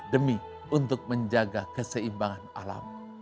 demi untuk menjaga keseimbangan alam